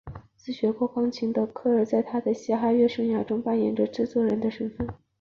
自学过钢琴的科尔在他的嘻哈乐生涯中扮演着制作人的身份。